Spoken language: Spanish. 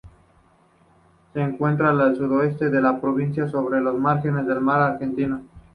Se encuentra al sudeste de la provincia, sobre las márgenes del mar Argentino.